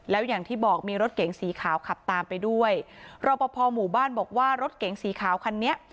แล้วอย่างที่บอกมีรถเก๋งสีขาวขับตามไปด้วยรอปภหมู่บ้านบอกว่ารถเก๋งสีขาวคันนี้